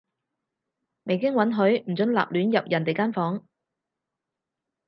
未經允許，唔准立亂入人哋間房